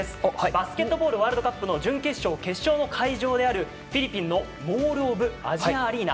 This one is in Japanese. バスケットボールワールドカップの準決勝、決勝の会場であるフィリピンのモール・オブ・アジア・アリーナ。